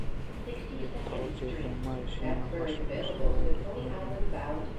کہ توچہ پیم ایشاناں وشّ وشّ ءُژِرتُک ژِرتُک ءَ جاہے ءُ ورئے